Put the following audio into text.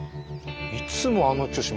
いつもあの調子。